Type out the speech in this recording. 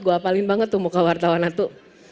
gue apalin banget tuh muka wartawan itu